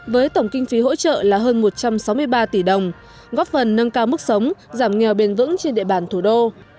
với tổng kinh phí hỗ trợ là hơn một trăm sáu mươi ba tỷ đồng góp phần nâng cao mức sống giảm nghèo bền vững trên địa bàn thủ đô